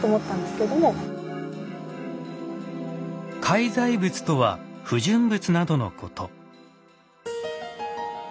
「介在物」とは不純物などのこと。